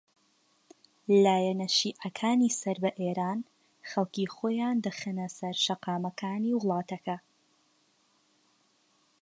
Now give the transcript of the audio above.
لایەنە شیعەکانی سەر بە ئێران خەڵکی خۆیان دەخەنە سەر شەقامەکانی وڵاتەکە